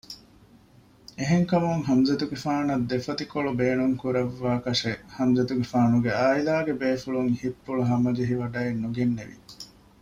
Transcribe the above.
އެހެންކަމުން ޙަމްޒަތުގެފާނަށް ދެފޮތިކޮޅު ބޭނުންކުރައްވާކަށެއް ޙަމްޒަތުގެފާނުގެ ޢާއިލާގެ ބޭފުޅުން ހިތްޕުޅުހަމަޖެހިވަޑައެއް ނުގެންނެވި